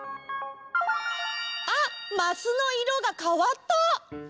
あっマスのいろがかわった！